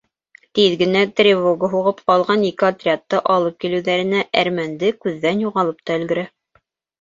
Тиҙ генә тревога һуғып, ҡалған ике отрядты алып килеүҙәренә, әрмәнде күҙҙән юғалып та өлгөрә.